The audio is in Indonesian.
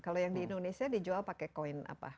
kalau yang di indonesia dijual pakai koin apa